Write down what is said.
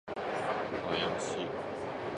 林